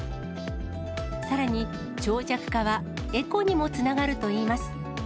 さらに、長尺化はエコにもつながるといいます。